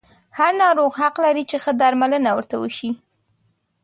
هر ناروغ حق لري چې ښه درملنه ورته وشي.